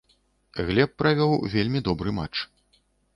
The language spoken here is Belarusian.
Глеб правёў вельмі добры матч.